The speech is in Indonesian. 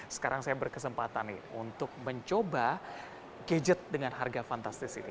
sekarang saya berkesempatan nih untuk mencoba gadget dengan harga fantastis ini